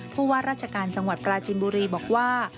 ผู้ว่าราชการจังหวัดปราจินบุรีบอกว่า